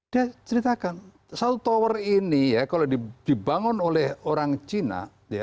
dia ceritakan satu tower ini ya kalau dibangun oleh orang cina